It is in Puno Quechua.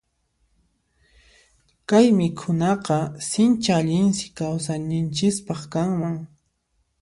Kay mikhunakunaqa sinchi allinsi kawsayninchispaq kanman.